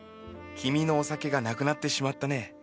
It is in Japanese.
君のお酒がなくなってしまったね。